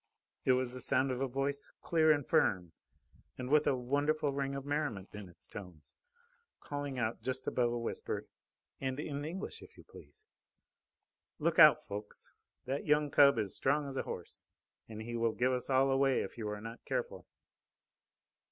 It was the sound of a voice, clear and firm, and with a wonderful ring of merriment in its tones, calling out just above a whisper, and in English, if you please: "Look out, Ffoulkes! That young cub is as strong as a horse. He will give us all away if you are not careful."